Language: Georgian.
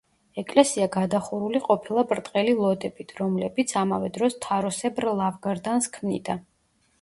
ეკლესია გადახურული ყოფილა ბრტყელი ლოდებით, რომლებიც ამავე დროს თაროსებრ ლავგარდანს ქმნიდა.